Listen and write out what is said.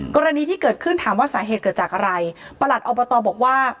กรณีที่เกิดขึ้นถามว่าสาเหตุเกิดจากอะไรประหลัดอบตบอกว่า